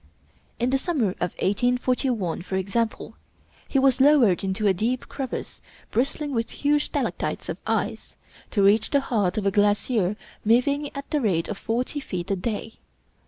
In the summer of 1841, for example, he was lowered into a deep crevasse bristling with huge stalactites of ice, to reach the heart of a glacier moving at the rate of forty feet a day.